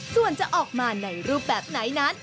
ส่วนจะออกมาในรูปแบบไหนนั้น